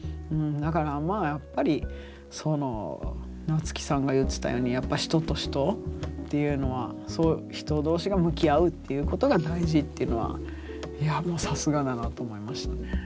だからまあやっぱりその夏木さんが言ってたようにやっぱ人と人っていうのは人同士が向き合うっていうことが大事っていうのはいやもうさすがだなと思いましたね。